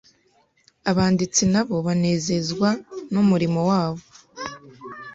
Abanditsi nabo banezezwa n’umurimo wabo